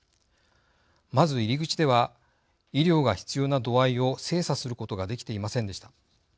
まず入り口では医療が必要な度合いを精査することができていませんでした。